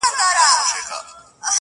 ذخیرې چي پټي نه کړئ په کورو کي -